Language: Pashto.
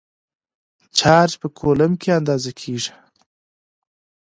چارج په کولمب کې اندازه کېږي.